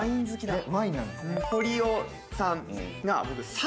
えっ！